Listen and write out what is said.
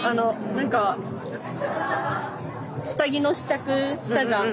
何か下着の試着したじゃん。